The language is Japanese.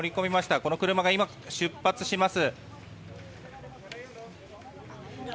この車が今、出発します。